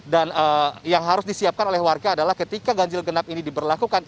dan yang harus disiapkan oleh warga adalah ketika ganjil genap ini diberlakukan